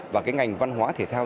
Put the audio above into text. và cái ngành văn hóa thể thao